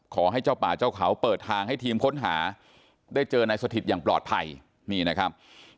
ขอให้เจ้าป่าเจ้าเขาเปิดทางให้ทีมค้นหาได้เจอนายสถิตอย่างปลอดภัยนี่นะครับ